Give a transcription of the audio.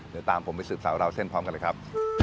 เดี๋ยวตามผมไปสืบสาวราวเส้นพร้อมกันเลยครับ